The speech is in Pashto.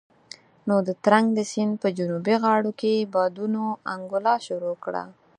نو د ترنک د سيند په جنوبي غاړو کې بادونو انګولا شروع کړه.